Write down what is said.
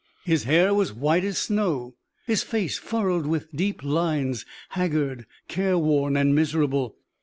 His hair was white as snow, his face furrowed with deep lines, haggard, careworn and miserable.